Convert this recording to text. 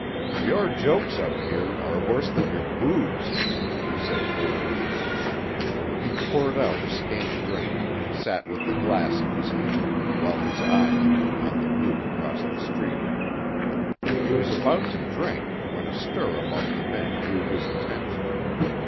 "Your jokes up here are worse than your booze," he said wearily. He poured out a scant drink and sat with the glass in his hand while his eyes were upon the group across the street. He was about to drink when a stir among the men drew his attention.